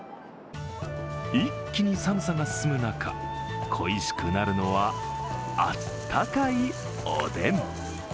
一気に寒さ進む中恋しくなるのは温かいおでん。